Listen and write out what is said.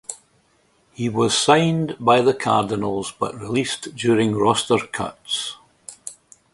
He was signed by the Cardinals but released during roster cuts.